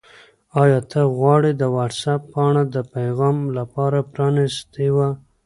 آیا هغه د وټس-اپ پاڼه د پیغام لپاره پرانستې وه؟